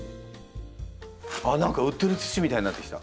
あっ何か売ってる土みたいになってきた。